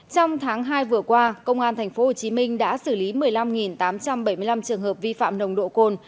trong tháng hai vừa qua công an tp hcm đã xử lý một mươi năm tám trăm bảy mươi năm trường hợp vi phạm nồng độ cồn